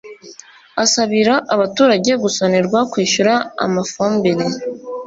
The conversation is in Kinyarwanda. asabira abaturage gusonerwa kwishyura amafumbire